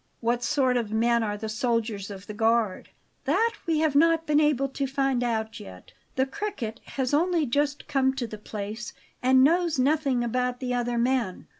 "What sort of men are the soldiers of the guard?" "That we have not been able to find out yet; the Cricket has only just come to the place, and knows nothing about the other men."